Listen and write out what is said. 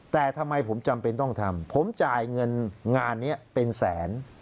แต่ทำไมผมจำเป็นต้องทำผมจ่ายเงินงานนี้เป็นแสน